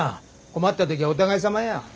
困った時はお互いさまよ。